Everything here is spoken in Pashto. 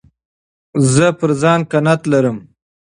زه پر ځان قناعت لرم.